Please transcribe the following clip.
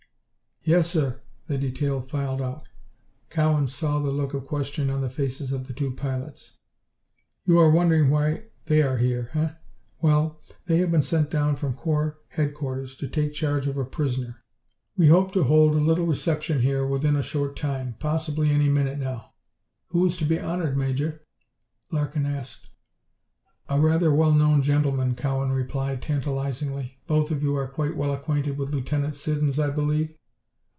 "Yes, sir." The detail filed out. Cowan saw the look of question on the faces of the two pilots. "You are wondering why they are here, eh? Well, they have been sent down from Corps Headquarters to take charge of a prisoner. We hope to hold a little reception here within a short time possibly any minute now." "Who is to be honored, Major?" Larkin asked. "A rather well known gentleman," Cowan replied, tantalizingly. "Both of you are quite well acquainted with Lieutenant Siddons, I believe?"